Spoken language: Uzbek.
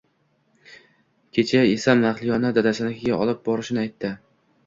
Kecha esa Mahliyoni dadasinikiga olib borishini aytdi